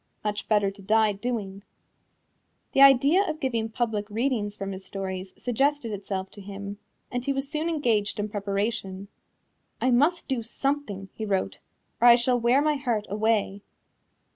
Much better to die doing." The idea of giving public readings from his stories suggested itself to him, and he was soon engaged in preparation. "I must do something," he wrote, "or I shall wear my heart away."